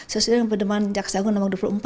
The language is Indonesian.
sesuai dengan pedoman jaksa agung nomor dua puluh empat